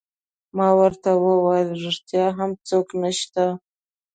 ما ورته وویل: ریښتیا هم څوک نشته؟